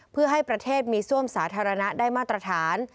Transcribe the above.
เพื่อให้ประเทศมีซ่วมสาธารณะได้มาตรฐาน